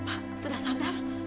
pak sudah sabar